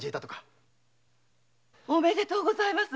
おめでとうございます。